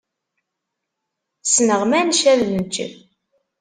Ssneɣ manec ad neǧǧ.